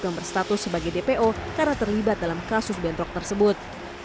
yang berstatus sebagai dpo karena terlibat dalam kasus bentrok tersebut